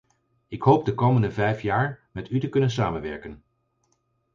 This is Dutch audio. Ik hoop de komende vijf jaar met u te kunnen samenwerken.